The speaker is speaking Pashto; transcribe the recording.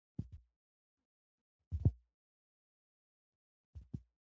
خلک د خپلو تولیداتو له لارې عاید ترلاسه کوي.